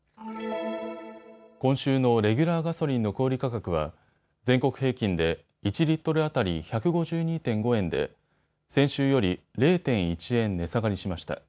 今週のレギュラーガソリンの小売価格は全国平均で１リットル当たり１５２．５円で先週より０．１円値下がりしました。